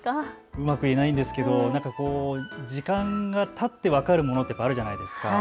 うまく言えないんですけれど時間がたって分かるもの、あるじゃないですか。